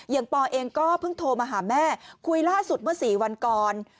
ปอเองก็เพิ่งโทรมาหาแม่คุยล่าสุดเมื่อ๔วันก่อน